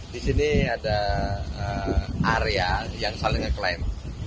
disini ada area yang saling ngeklaim